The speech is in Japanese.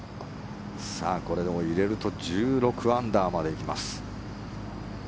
これで入れると１６アンダーまで行きます。